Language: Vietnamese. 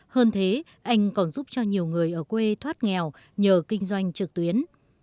hơn thế anh còn giúp cho nhiều người ở quê thoát nghèo nhờ kinh doanh trực tuyến